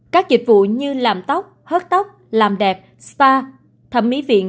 các dịch vụ như làm tóc hớt tóc làm đẹp spa thẩm mỹ viện